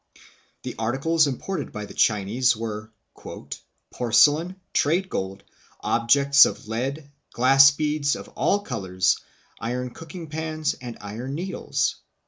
The articles imported by the Chinese were " porcelain, trade gold, objects of lead, glass beads bf all colors, iron cooking pans, and iron needles."